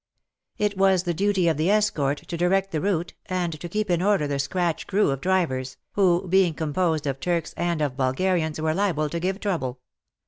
It was the duty of the escort to direct the route and to keep in order the scratch crew of drivers, who, being composed of Turks and of Bulgarians, were liable to give trouble.